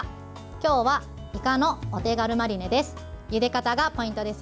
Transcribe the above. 今日は、いかのお手軽マリネです。